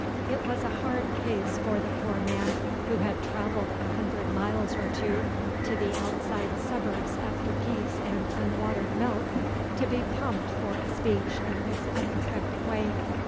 It was a hard case for the poor man, who had travelled a hundred miles or two to the outside suburbs after peace and unwatered milk, to be pumped for a speech in this unexpected way.